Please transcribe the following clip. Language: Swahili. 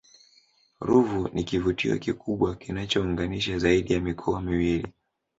ruvu ni kivutio kikubwa kinachounganisha zaidi ya mikoa miwili